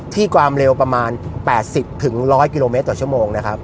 ความเร็วประมาณ๘๐๑๐๐กิโลเมตรต่อชั่วโมงนะครับ